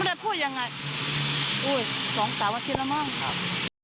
ได้พูดยังไงอุ้ยสองสามอาทิตย์แล้วมั้งครับ